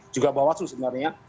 juga bawa tuh sebenarnya